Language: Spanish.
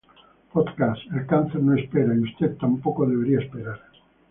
Podcast: El cáncer no espera y usted tampoco debería esperar